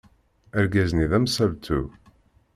Argaz-nni d amsaltu.